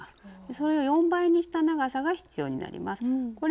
それを４倍にした長さが必要になります。